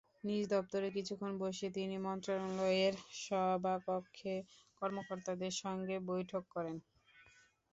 নিজ দপ্তরে কিছুক্ষণ বসে তিনি মন্ত্রণালয়ের সভাকক্ষে কর্মকর্তাদের সঙ্গে বৈঠক করেন।